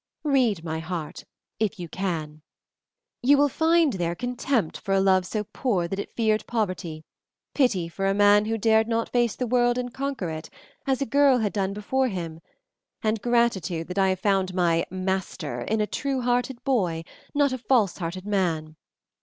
Read my heart, if you can. You will find there contempt for a love so poor that it feared poverty; pity for a man who dared not face the world and conquer it, as a girl had done before him, and gratitude that I have found my 'master' in a truehearted boy, not a falsehearted man.